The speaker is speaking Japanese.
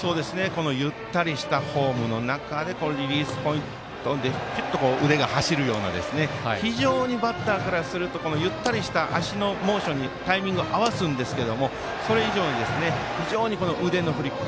ゆったりしたフォームの中でリリースポイントでぴゅっと腕が走るような非常にバッターからするとゆったりした足のモーションにタイミングを合わすんですがそれ以上に非常に腕の振り。